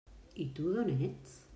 I tu, d'on ets?